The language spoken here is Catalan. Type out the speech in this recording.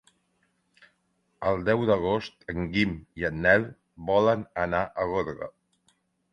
El deu d'agost en Guim i en Nel volen anar a Gorga.